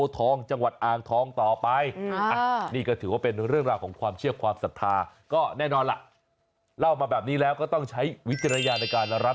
ทิริยาในการระรับชมกันด้วยนะครับ